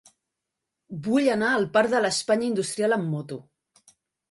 Vull anar al parc de l'Espanya Industrial amb moto.